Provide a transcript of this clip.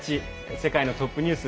世界のトップニュース」。